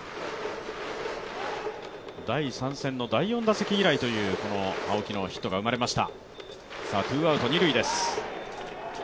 第３戦の第４打席以来の青木のヒットが生まれました。